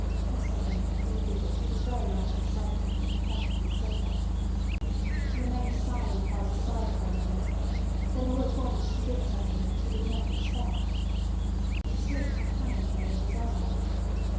..." Ossipon concluded that she was very much excited but perfectly sober. She remained silent by his side for moment, then all at once she did something which he did not expect. She slipped her hand under his arm.